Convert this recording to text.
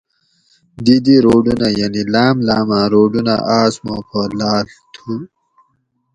دی دی روڈونہ یعنی لاۤم لاۤماۤں روڈونہ آۤس ما پا لاۤڷ تُھو